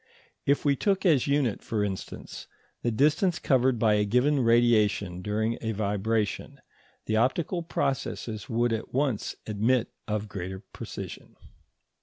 If we took as unit, for instance, the distance covered by a given radiation during a vibration, the optical processes would at once admit of much greater precision.